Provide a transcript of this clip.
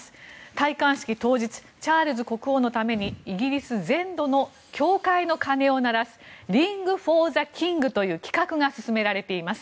戴冠式当日チャールズ国王のためにイギリス全土の教会の鐘を鳴らす「ＲｉｎｇｆｏｒｔｈｅＫｉｎｇ」という企画が進められています。